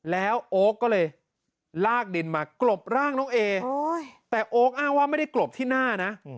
แล้วโอ๊คก็เลยลากดินมากรบร่างน้องเอแต่โอ๊คอ้างว่าไม่ได้กลบที่หน้านะ